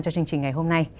cho chương trình ngày hôm nay